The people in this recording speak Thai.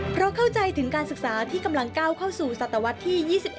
เพราะเข้าใจถึงการศึกษาที่กำลังก้าวเข้าสู่ศตวรรษที่๒๑